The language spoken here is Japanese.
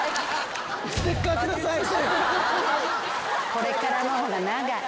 これからの方が長い。